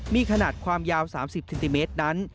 มีขนาดความยาว๓๐เซนติเมตรนั้น